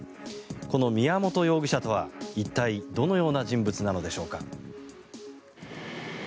この宮本容疑者とは一体どのような人物なのでしょうか。